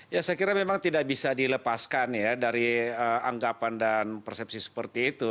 ya saya kira memang tidak bisa dilepaskan ya dari anggapan dan persepsi seperti itu